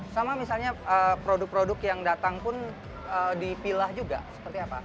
sama misalnya produk produk yang datang pun dipilah juga seperti apa